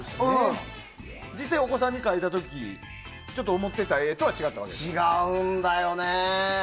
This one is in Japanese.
実際お子さんに描いた時ちょっと思ってた絵とは違うんだよね！